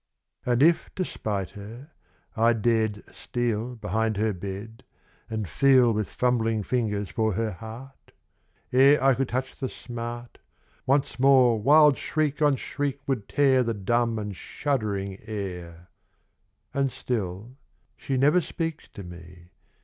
And if to spite her, I dared steal Behind her bed, and feel With fumbling fingers for her heart ... 1 Ire I could touch the smart Once more wild shriek on shriek would tear The dumb and shuddering air ... And still she never speaks to me.